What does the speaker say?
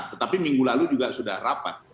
tetapi minggu lalu juga sudah rapat